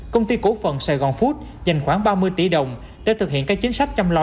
công ty cổ phận saigon food dành khoảng ba mươi tỷ đồng để thực hiện các chính sách chăm lo